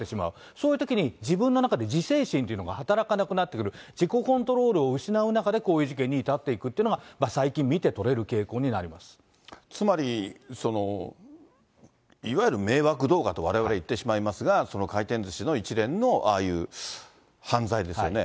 そういうときに自分の中で自制心というのが働かなくなってくる、自己コントロールを失う中でこういう事件に至っていくというのが、つまり、いわゆる迷惑動画とわれわれ言ってしまいますが、回転ずしの一連のああいう犯罪ですよね。